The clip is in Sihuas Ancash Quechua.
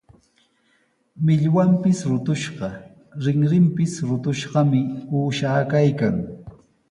Millwanpis rutushqa, rinrinpis ruqushqami uusha kaykan.